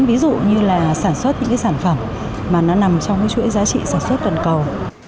ví dụ như là sản xuất những sản phẩm mà nó nằm trong chuỗi giá trị sản xuất gần cầu